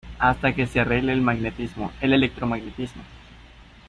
hasta que se arregle el magnetismo, el electromagnetismo...